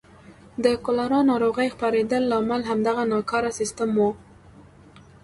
د کولرا ناروغۍ خپرېدو لامل همدغه ناکاره سیستم و.